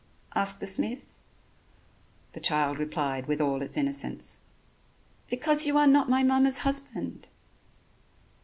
asked the smith. The child replied with all its innocence: "Because you are not my mamma's husband."